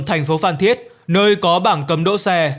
thành phố phan thiết nơi có bảng cấm đỗ xe